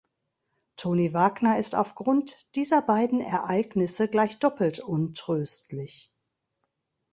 Toni Wagner ist aufgrund dieser beiden Ereignisse gleich doppelt untröstlich.